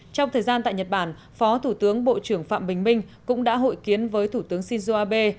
trong thời gian tại nhật bản phó thủ tướng bộ trưởng phạm bình minh cũng đã hội kiến với thủ tướng shinzo abe